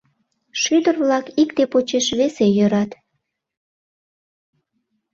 Шӱдыр-влак икте почеш весе йӧрат.